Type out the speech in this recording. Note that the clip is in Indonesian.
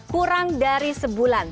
kurang dari sebulan